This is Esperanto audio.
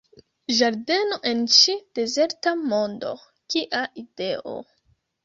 Ĝardeno en ĉi dezerta mondo, kia ideo.